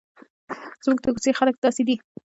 زموږ د کوڅې خلک داسې دي.